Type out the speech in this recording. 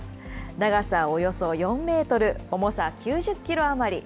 長さおよそ４メートル、重さ９０キロ余り。